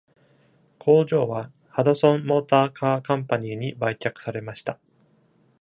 工場はハドソン・モーター・カー・カンパニーに売却されました。